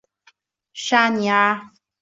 沙尼阿。